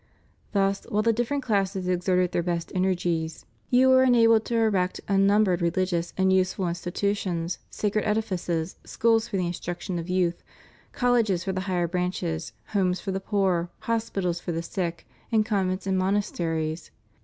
Thus, while the different classes exerted their best energies, you were CATHOLICITY IN THE UNITED STATES. 323 enabled to erect unnumbered religious and useful institu tions, sacred edifices, schools for the instruction of youth, colleges for the higher branches, homes for the poor, hospitals for the sick, and convents and monasteries.